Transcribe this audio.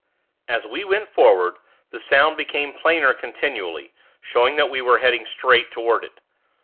As we went forward, the sound became plainer continually, showing that we were heading straight toward it.